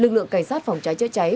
lực lượng cảnh sát phòng cháy cháy cháy